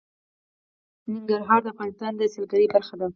ننګرهار د افغانستان د سیلګرۍ برخه ده.